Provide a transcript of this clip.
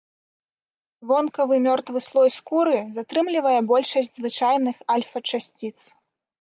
Вонкавы мёртвы слой скуры затрымлівае большасць звычайных альфа-часціц.